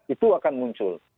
itu akan muncul